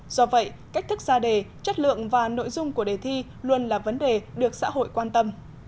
do vậy cách thức ra đề chất lượng và nội dung của đề thi luôn là vấn đề được xã hội quan tâm